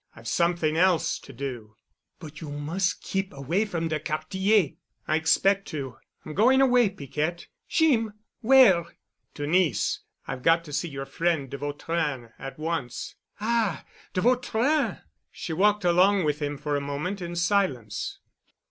"I've something else to do." "But you mus' keep away from de Quartier——" "I expect to. I'm going away, Piquette——" "Jeem! Where?" "To Nice. I've got to see your friend de Vautrin, at once." "Ah—de Vautrin!" She walked along with him for a moment in silence.